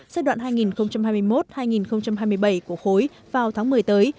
giai đoạn hai nghìn hai mươi một hai nghìn hai mươi bảy của khối vào tháng một mươi tới